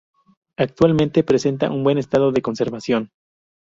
Actualmente presenta un buen estado de conservación.